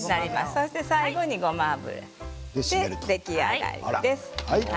そして最後にごま油で出来上がりです。